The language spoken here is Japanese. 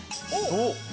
おっ。